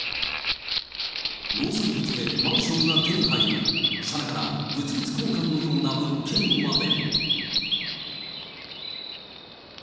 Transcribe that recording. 農産物でマンションが手に入る、さながら物々交換のような物件まで。